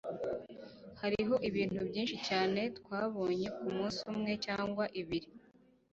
Hariho ibintu byinshi cyane twabonye ku munsi umwe cyangwa ibiri.